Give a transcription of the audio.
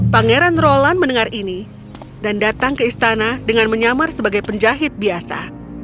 pangeran roland mendengar ini dan datang ke istana dengan menyamar sebagai penjahit biasa